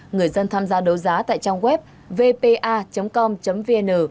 người dân tham gia đấu giá tại trang web vpa com vn